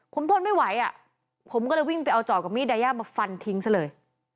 ผมทนไม่ไหวอ่ะผมก็เลยวิ่งไปเอาจอบกับมีดไดยามาฟันทิ้งซะเลย